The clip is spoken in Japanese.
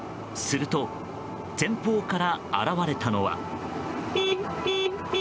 すると、前方から現れたのは。